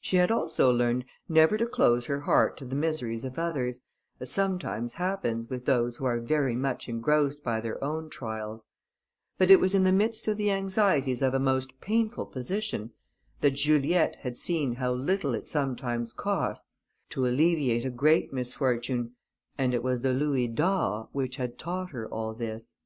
She had also learned never to close her heart to the miseries of others, as sometimes happens with those who are very much engrossed by their own trials; but it was in the midst of the anxieties of a most painful position, that Juliette had seen how little it sometimes costs to alleviate a great misfortune, and it was the louis d'or which had taught her all this.